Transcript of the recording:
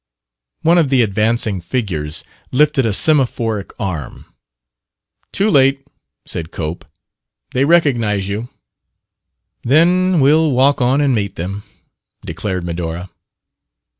One of the advancing figures lifted a semaphoric arm. "Too late," said Cope; "They recognize you." "Then we'll walk on and meet them," declared Medora.